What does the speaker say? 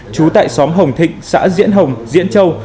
trú tại xóm hồng thịnh xã diễn hồng diễn châu